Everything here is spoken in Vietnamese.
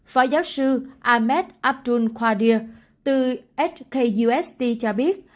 phó giáo sư ahmed abdul qadir từ hkust cho biết